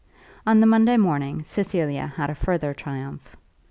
On the Monday morning Cecilia had a further triumph.